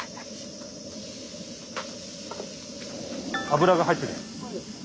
油が入ってる。